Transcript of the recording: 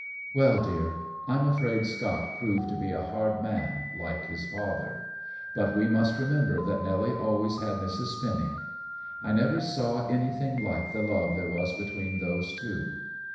"Well, dear, I'm afraid Scott proved to be a hard man, like his father. But we must remember that Nelly always had Mrs. Spinny. I never saw anything like the love there was between those two.